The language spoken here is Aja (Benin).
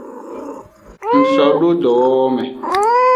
Na so do dowowo me.